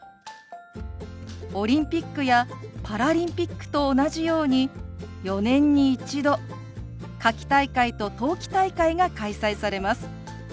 オリンピックやパラリンピックと同じように４年に１度夏季大会と冬季大会が開催されます。